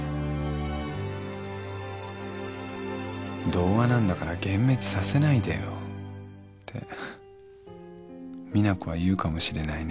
「童話なんだから幻滅させないでよって実那子は言うかもしれないね」